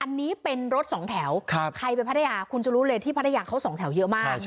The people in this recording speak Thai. อันนี้เป็นรถสองแถวใครไปพัทยาคุณจะรู้เลยที่พัทยาเขาสองแถวเยอะมาก